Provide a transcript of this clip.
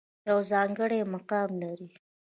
يو ځانګړے مقام لري